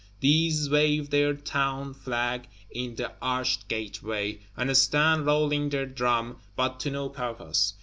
These wave their Town flag in the arched Gateway, and stand, rolling their drum, but to no purpose.